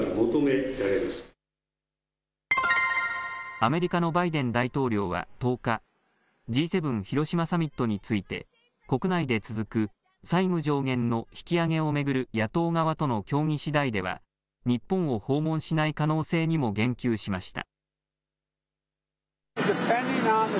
アメリカのバイデン大統領は１０日、Ｇ７広島サミットについて国内で続く債務上限の引き上げを巡る野党側との協議しだいでは日本を訪問しない可能性にも言及しました。